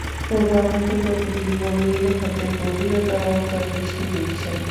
প্রভু আমাকে প্রতিদিনই গভীর হতে গভীরতর অন্তর্দৃষ্টি দিচ্ছেন।